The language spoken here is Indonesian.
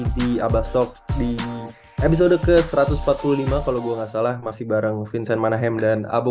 di abah shock di episode ke satu ratus empat puluh lima kalau gue gak salah masih bareng vincent manahem dan abu